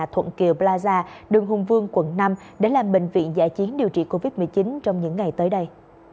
thuận kỳ plaza đường hùng vương quận năm để làm bệnh viện giải chiến điều trị covid một mươi chín trong những ngày tới đây